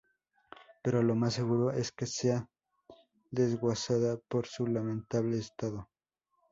Pero lo más seguro es que sea desguazada por su lamentable estado.